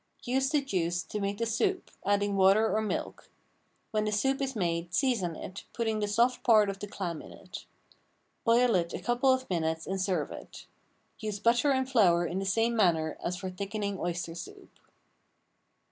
Use the juice to make the soup, adding water or milk. When the soup is made season it, putting the soft part of the clam in it. Boil it a couple of minutes and serve it. Use butter and flour in the same manner as for thickening oyster soup.